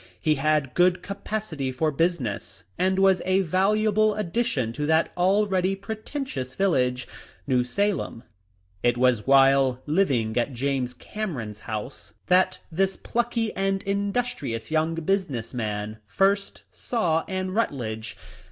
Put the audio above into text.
He had good capacity for business, and was a valuable addition to that already preten tious village — New Salem. It was while living at James Cameron's house that this plucky and indus trious young business man first saw Anne Rut ledge.